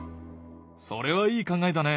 それはいい考えだね。